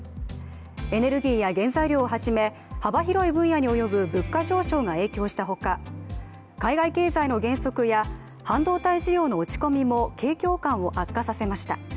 エネルギーや原材料をはじめ、幅広い分野に及ぶ物価上昇が影響したほか海外経済の減速や半導体需要の落ち込みも景況感を悪化させました。